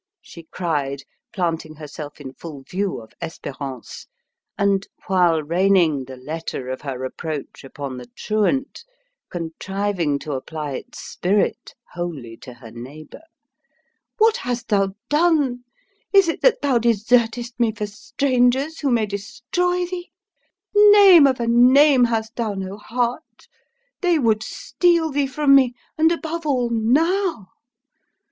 she cried, planting herself in full view of Espérance, and, while raining the letter of her reproach upon the truant, contriving to apply its spirit wholly to her neighbour. "What hast thou done? Is it that thou desertest me for strangers, who may destroy thee? Name of a name, hast thou no heart? They would steal thee from me and above all, now!